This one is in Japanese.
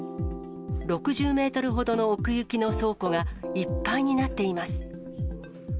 ６０メートルほどの奥行きの倉庫がいっぱいになっています。